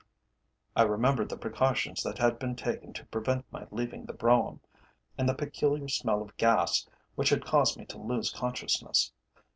I remembered the precautions that had been taken to prevent my leaving the brougham, and the peculiar smell of gas which had caused me to lose consciousness.